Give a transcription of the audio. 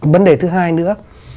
vấn đề thứ hai nữa